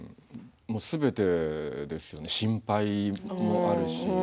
すべてですよね、心配もあるし。